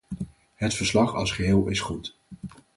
Het verslag als geheel is goed.